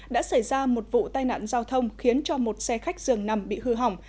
đã xảy ra một vụ tai nạn giao thông khiến cho một xe khách dường nằm bị hư hỏng